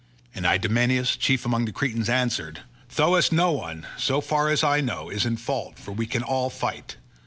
And Idomeneus chief among the Cretans answered, "Thoas, no one, so far as I know, is in fault, for we can all fight.